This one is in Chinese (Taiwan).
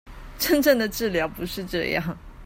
真正的治療不是這樣